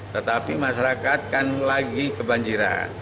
tetapi masyarakat kan lagi kebanjiran